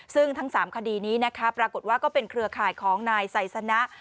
ซึ่งทั้ง๓คดีนี้นะคะปรากฏว่าก็เป็นเครือข่ายของนายไซสนะ